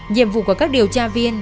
nhiệm vụ của các điều tra viên